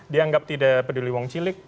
dianggap tidak peduli wong cilik